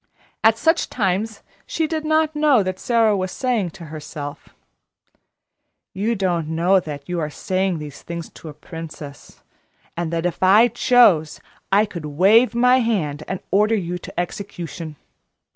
At such times she did not know that Sara was saying to herself: "You don't know that you are saying these things to a princess, and that if I chose I could wave my hand and order you to execution.